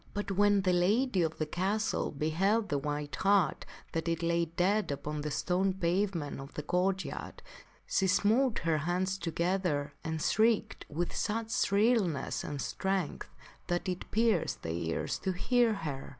But when the lady of the castle beheld the white hart, that it lay dead 2 88 THE STORY OF SIR GAWAINE upon the stone pavement of the court yard, she smote her hands together and shrieked with such shrillness and strength, that it pierced the ears to hear her.